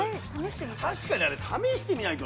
確かにあれ試してみないとね。